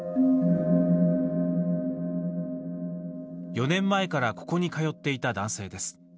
４年前からここに通っていた男性です。